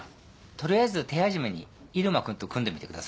取りあえず手始めに入間君と組んでみてください。